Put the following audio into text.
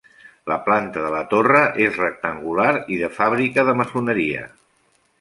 La planta de la torre és rectangular i de fàbrica de maçoneria.